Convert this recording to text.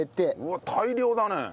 うわっ大量だね！